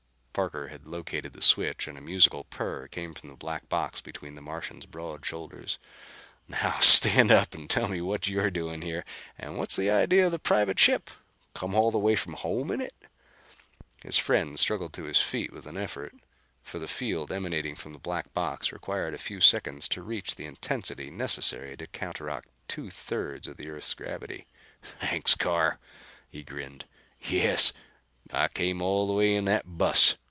Parker had located the switch and a musical purr came from the black box between the Martian's broad shoulders. "Now stand up and tell me what you're doing here. And what's the idea of the private ship? Come all the way from home in it?" His friend struggled to his feet with an effort, for the field emanating from the black box required a few seconds to reach the intensity necessary to counteract two thirds of the earth's gravity. "Thanks Carr," he grinned. "Yes, I came all the way in that bus.